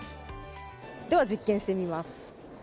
では実験してみます。